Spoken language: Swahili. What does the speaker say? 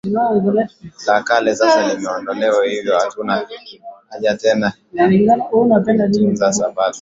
la kale sasa limeondolewa hivyo hatuna haja tena ya kuitunza Sabato